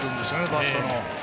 バットの。